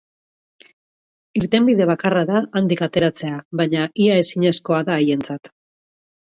Irtenbide bakarra da handik ateratzea, baina ia ezinezkoa da haientzat.